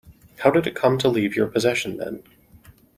How did it come to leave your possession then?